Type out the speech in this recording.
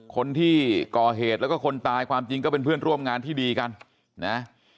คนที่ก่อเหตุแล้วก็คนตายความจริงก็เป็นเพื่อนร่วมงานที่ดีกันนะ